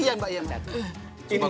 ini mas kalau lu